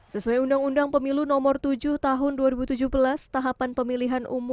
sesuai undang undang pemilu nomor tujuh tahun dua ribu tujuh belas tahapan pemilihan umum dua ribu dua puluh empat